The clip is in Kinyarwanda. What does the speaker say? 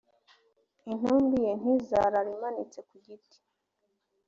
intumbi ye ntizarare imanitse ku giti;